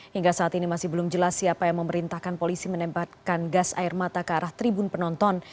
hingga saat ini masih belum jelas siapa yang memerintahkan polisi menembakkan gas air mata ke arah tribun penonton